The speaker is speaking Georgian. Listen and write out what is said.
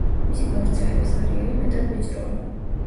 მისი გავრცელების არეალი მეტად ვიწროა.